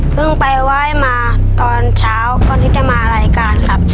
ไปไหว้มาตอนเช้าก่อนที่จะมารายการครับ